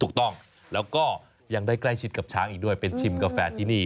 ถูกต้องแล้วก็ยังได้ใกล้ชิดกับช้างอีกด้วยเป็นชิมกาแฟที่นี่